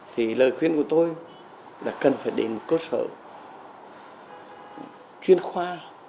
thì lời khuyên của tôi là cần phải đến một cơ sở chuyên khoa